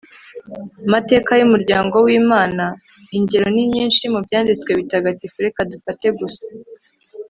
mateka y'umuryango w'imana. ingero ni nyinshi mu byanditswe bitagatifu, reka dufate gusa